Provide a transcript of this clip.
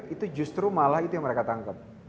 itu justru malah itu yang mereka tangkep